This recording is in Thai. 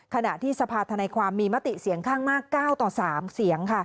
ขณะที่สภาธนาความมีมติเสียงข้างมาก๙ต่อ๓เสียง